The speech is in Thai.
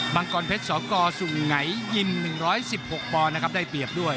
ังกรเพชรสกสุงไหนยิม๑๑๖ปอนด์นะครับได้เปรียบด้วย